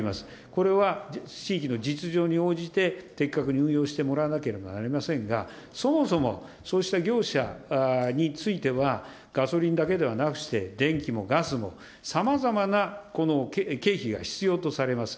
これは地域の実情に応じて的確に運用してもらわなければなりませんが、そもそも、そうした業者については、ガソリンだけではなくして、電気もガスもさまざまな経費が必要とされます。